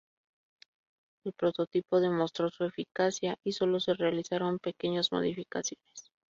El prototipo demostró su eficacia y sólo se realizaron pequeñas modificaciones.